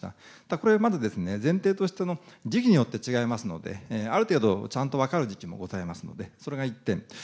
これまずですね、前提として時期によって違いますので、ある程度ちゃんと分かる時期もございますので、それが１点。